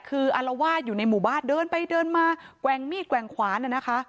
คืออารวาสอยู่ในหมู่บ้านเดินไปเดินมาแกว่งมีดแกว่งขวานน่ะนะคะ